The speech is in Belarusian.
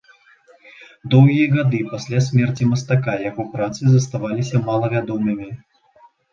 Доўгія гады пасля смерці мастака яго працы заставаліся малавядомымі.